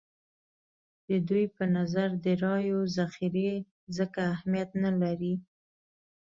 د دوی په نظر د رایو ذخیرې ځکه اهمیت نه لري.